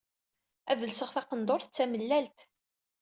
Ad lseɣ taqendurt d tamellalt.